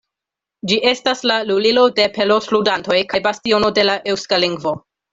Ĝi estas la Lulilo de pelot-ludantoj kaj bastiono de la eŭska lingvo.